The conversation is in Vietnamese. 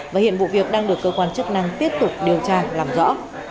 và hiện vụ việc đang được cơ quan chức năng tiếp tục điều tra làm rõ